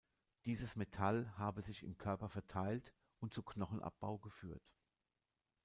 Dieses Metall habe sich im Körper verteilt und zu Knochenabbau geführt.